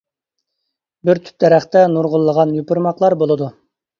بىر تۈپ دەرەختە نۇرغۇنلىغان يوپۇرماقلار بولىدۇ.